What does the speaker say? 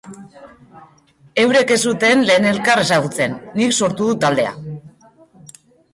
Eurek ez zuten lehen elkar ezagutzen, nik sortu dut taldea.